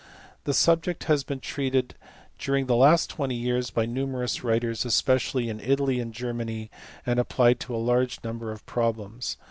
The subject has been treated during the last twenty years by numerous writers especially in Italy and Germany, and applied to a large number of problems.